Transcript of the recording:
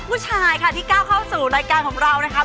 ผู้ชายค่ะที่ก้าวเข้าสู่รายการของเรานะครับ